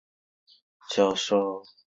成城大学名誉教授。